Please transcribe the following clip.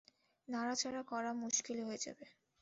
নাড়া-চাড়া করা মুশকিল হয়ে যাবে।